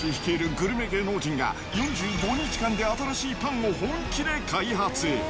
グルメ芸能人が、４５日間で新しいパンを本気で開発。